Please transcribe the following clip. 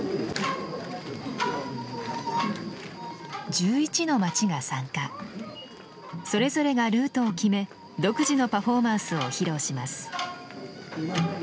１１の町が参加それぞれがルートを決め独自のパフォーマンスを披露します。